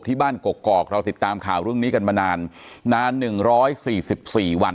ที่บ้านกรกกรอกเราติดตามข่าวเรื่องนี้กันมานานนานหนึ่งร้อยสี่สิบสี่วัน